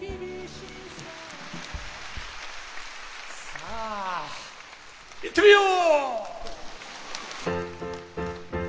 さあいってみよう！